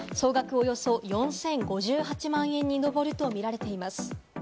およそ４０５８万円に上るとみられています。